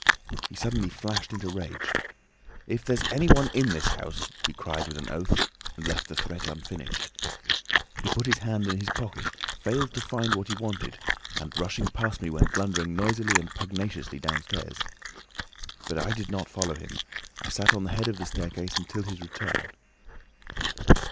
He suddenly flashed into rage. 'If there's anyone in this house—' he cried with an oath, and left the threat unfinished. He put his hand in his pocket, failed to find what he wanted, and rushing past me went blundering noisily and pugnaciously downstairs. But I did not follow him. I sat on the head of the staircase until his return.